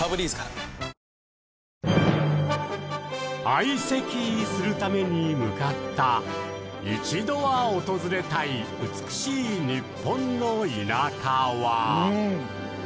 相席するために向かった、一度は訪れたい美しい日本の田舎は。